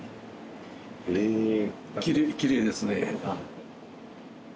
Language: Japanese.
へえきれいですね。